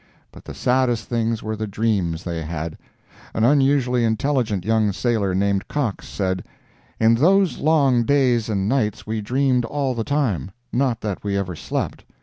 But the saddest things were the dreams they had. An unusually intelligent young sailor named Cox said: "In those long days and nights we dreamed all the time—not that we ever slept.